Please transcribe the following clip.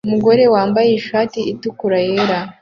Umugore wambaye ishati itukura yera